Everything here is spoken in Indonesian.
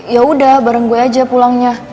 yaudah bareng gue aja pulangnya